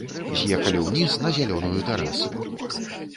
З'ехалі ўніз, на зялёную тэрасу.